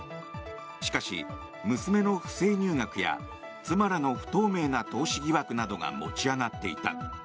しかし娘の不正入学や妻らの不透明な投資疑惑などが持ち上がっていた。